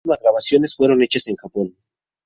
Sus últimas grabaciones fueron hechas en Japón.